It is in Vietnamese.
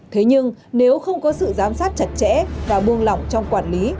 thế nhưng nếu không có sự giám sát chặt chẽ và buông lỏng trong quản lý